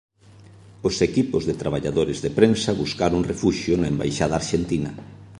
Os equipos de traballadores de prensa buscaron refuxio na embaixada arxentina.